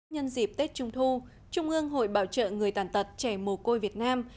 nhân dịp tết trung thu trung ương hội bảo trợ người tàn tật trẻ mồ côi việt nam